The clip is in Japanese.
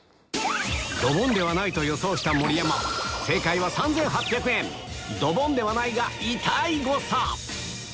ドボンではないと予想した盛山ドボンではないが痛い誤差！